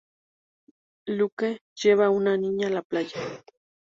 Luke lleva a una niña a la playa.